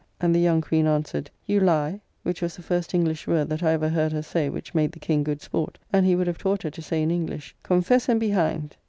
And the young Queen answered, "You lye;" which was the first English word that I ever heard her say which made the King good sport; and he would have taught her to say in English, "Confess and be hanged."